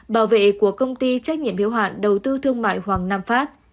bảo vệ của công ty trách nhiệm hiếu hạn đầu tư thương mại hoàng nam phát